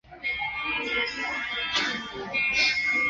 汉武帝元鼎六年开西南夷而置。